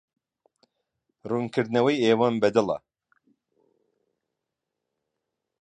ڕوونکردنەوەی ئێوەم بەدڵە.